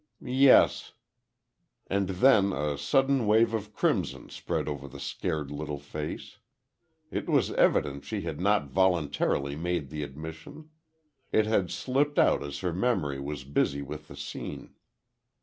"Yes." And then a sudden wave of crimson spread over the scared little face. It was evident she had not voluntarily made the admission. It had slipped out as her memory was busy with the scene.